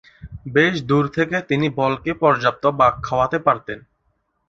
বেশ দূর থেকে তিনি বলকে পর্যাপ্ত বাঁক খাওয়াতে পারতেন।